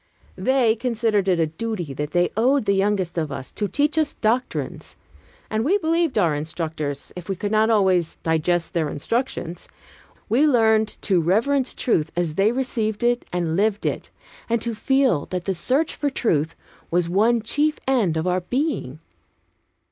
They considered it a duty that they owed to the youngest of us, to teach us doctrines. And we believed in our instructors, if we could not always digest their instructions. We learned to reverence truth as they received it and lived it, and to feel that the search for truth was one chief end of our being.